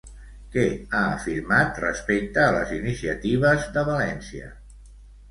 Què ha afirmat, respecte a les iniciatives de València?